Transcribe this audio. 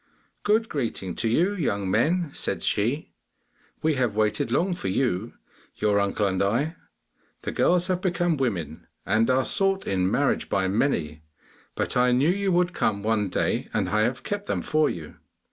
'Good greeting to you, young men!' said she, 'we have waited long for you, your uncle and I. The girls have become women, and are sought, in marriage by many, but I knew you would come one day, and I have kept them for you.